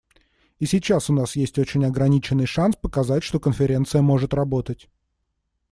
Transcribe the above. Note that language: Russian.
И сейчас у нас есть очень ограниченный шанс показать, что Конференция может работать.